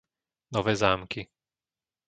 Nové Zámky